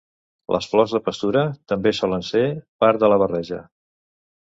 Les flors de pastura també solen ser part de la barreja.